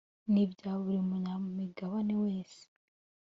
Nibya buri munyamigabane wese